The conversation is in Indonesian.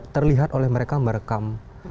terlihat oleh mereka merekam